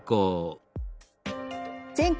全国